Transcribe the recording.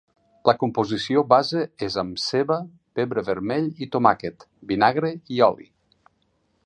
La composició base és amb ceba, pebre vermell i tomàquet, vinagre i oli.